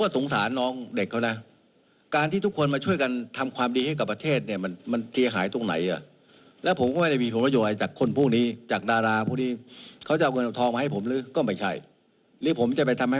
แต่ตรงสารน้องเชิปลางแล้วอีกหลายคนนั่นแหละ